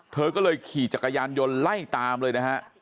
เธอก็เลยขี่จักรยานยนต์ไล่ตามเลยนะฮะ